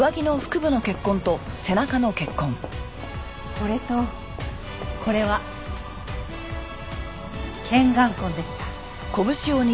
これとこれは拳眼痕でした。